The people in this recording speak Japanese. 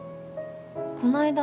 こないだ